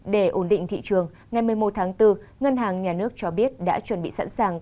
để ổn định thị trường ngày một mươi một tháng bốn ngân hàng nhà nước cho biết đã chuẩn bị sẵn sàng